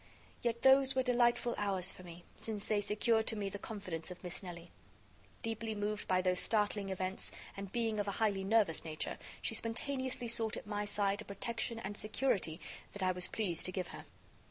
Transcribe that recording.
Yet those were delightful hours for me, since they secured to me the confidence of Miss Nelly. Deeply moved by those startling events and being of a highly nervous nature, she spontaneously sought at my side a protection and security that I was pleased to give her.